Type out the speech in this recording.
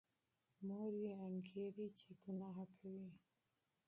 مور یې انګېري چې ګناه کوي.